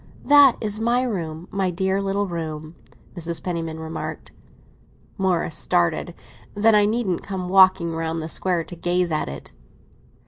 "That is my room—my dear little room!" Mrs. Penniman remarked. Morris started. "Then I needn't come walking round the Square to gaze at it."